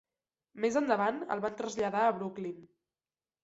Més endavant el van traslladar a Brooklyn.